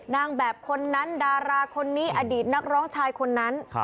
นางแบบคนนั้นดาราคนนี้อดีตนักร้องชายคนนั้น